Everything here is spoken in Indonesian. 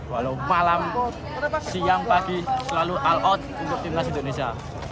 walau malam siang pagi selalu all out untuk timnas indonesia